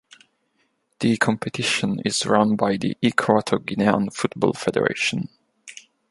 The competition is run by the Equatoguinean Football Federation.